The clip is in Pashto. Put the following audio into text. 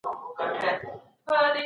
ذهني فشار د مدیریت وړ دی.